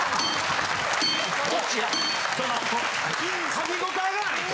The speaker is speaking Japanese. ・噛み応えがないと！